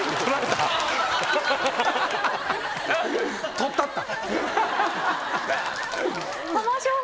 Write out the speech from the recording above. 取ったった。